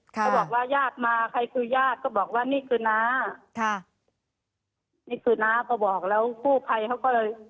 เขาบอกว่าญาติมาใครคือญาติก็บอกว่านี่คือน้าค่ะนี่คือน้าก็บอกแล้วกู้ภัยเขาก็เลย